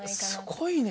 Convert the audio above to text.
すごいね。